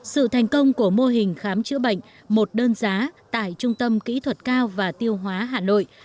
sự thành công của mô hình khám chữa bệnh một đơn giá tại trung tâm kỹ thuật cao và tiêu hóa hà nội